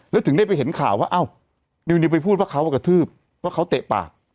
แล้วถึงได้ไปเห็นข่าวว่าอ้าวนิวไปพูดว่าเขากระทืบว่าเขาเตะปาก